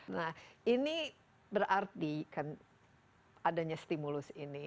nah ini berarti kan adanya stimulus ini